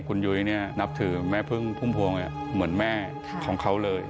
คุณยุ้ยนับถือแม่พึ่งพุ่มพวงเหมือนแม่ของเขาเลย